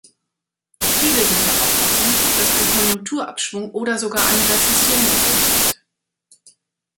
Viele sind der Auffassung, dass ein Konjunkturabschwung oder sogar eine Rezession bevorsteht.